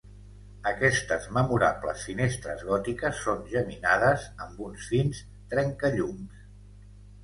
Aquestes memorables finestres gòtiques són geminades amb uns fins trencallums.